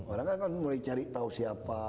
orang kan akan mulai cari tahu siapa